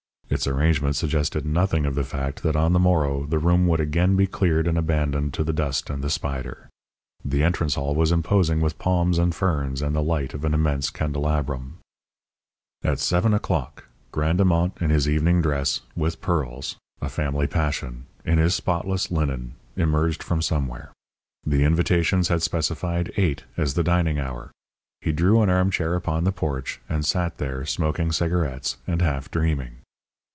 Its arrangement suggested nothing of the fact that on the morrow the room would again be cleared and abandoned to the dust and the spider. The entrance hall was imposing with palms and ferns and the light of an immense candelabrum. At seven o'clock Grandemont, in evening dress, with pearls a family passion in his spotless linen, emerged from somewhere. The invitations had specified eight as the dining hour. He drew an armchair upon the porch, and sat there, smoking cigarettes and half dreaming.